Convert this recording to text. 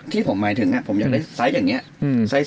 ที่ผมหมายถึงอ่ะผมอยากได้อย่างเงี้ย